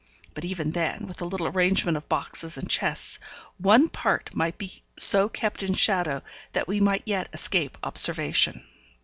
But even then, with a little arrangement of boxes and chests, one part might be so kept in shadow that we might yet escape observation.